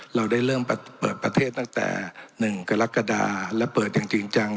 เราได้เริ่มเปิดประเทศตั้งแต่๑กรกฎาและเปิดอย่างจริงจัง